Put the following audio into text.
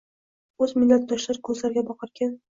O‘z millatdoshlari ko‘zlariga boqarkan.